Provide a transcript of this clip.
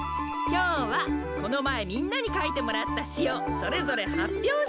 きょうはこのまえみんなにかいてもらったしをそれぞれはっぴょうしてもらいます。